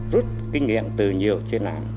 rút kinh nghiệm từ nhiều trên án